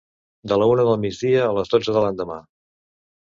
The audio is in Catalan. De la una del migdia a les dotze de l'endemà.